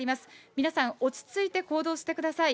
皆さん落ち着いて行動してください。